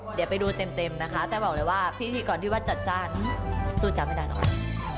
เดี๋ยวไปดูเต็มนะคะแต่บอกเลยว่าพิธีกรที่วัดจัดจ้านสู้จ๊ะไม่ได้หรอก